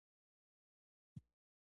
دا باید د چانس محصول نه وي.